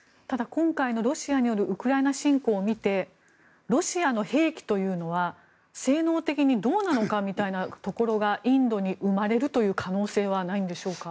今回のロシアによるウクライナ侵攻を見てロシアの兵器というのは性能的にどうなのかというのがインドに生まれるという可能性はないのでしょうか。